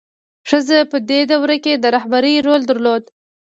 ښځه په دې دوره کې د رهبرۍ رول درلود.